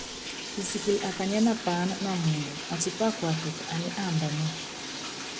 Kisikili akanyiɛ́ na paáná na muundɔ, atípá kuatuku aní ambanɛ́ɛ.